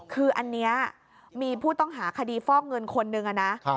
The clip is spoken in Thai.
คืออันนี้มีผู้ต้องหาคดีฟอกเงินคนนึงนะ